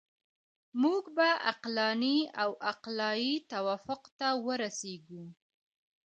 موږ به عقلاني او عقلایي توافق ته ورسیږو.